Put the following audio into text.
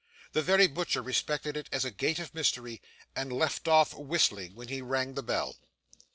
The very butcher respected it as a gate of mystery, and left off whistling when he rang the bell.